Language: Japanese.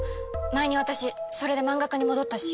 前に私それでマンガ家に戻ったし。